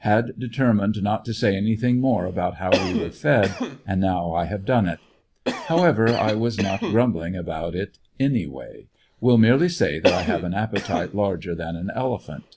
Had determined not to say anything more about how we were fed, and now I have done it. However, I was not grumbling about it any way. Will merely add that I have an appetite larger than an elephant.